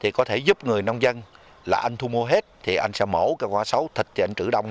thì có thể giúp người nông dân là anh thu mua hết thì anh sẽ mổ cái con cá sấu thịt thì anh trữ đông